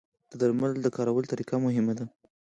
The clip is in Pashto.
د درملو د کارولو طریقه مهمه ده.